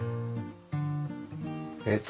えっと